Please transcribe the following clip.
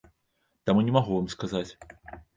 Таму не магу вам сказаць.